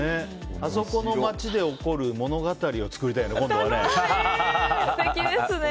あそこの街で起こる物語を作りたいね、今度はね。